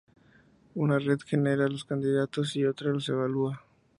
Una red genera los candidatos y otra los evalúa.